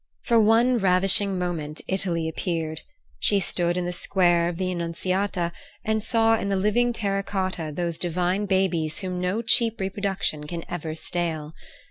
For one ravishing moment Italy appeared. She stood in the Square of the Annunziata and saw in the living terra cotta those divine babies whom no cheap reproduction can ever stale.